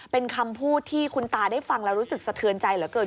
เป็นคำพูดที่คุณตาได้ฟังแล้วรู้สึกสะเทือนใจเหลือเกิน